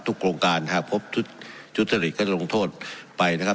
โครงการหากพบชุดทุจริตก็จะลงโทษไปนะครับ